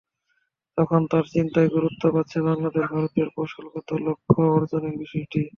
এখন তাঁর চিন্তায় গুরুত্ব পাচ্ছে বাংলাদেশে ভারতের কৌশলগত লক্ষ্য অর্জনের বিষয়টি।